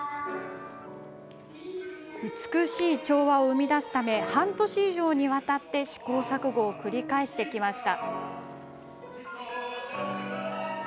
美しい調和を生み出すため半年以上にわたって試行錯誤を繰り返してきました。